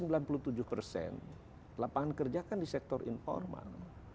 lapangan kerja kan di sektor informal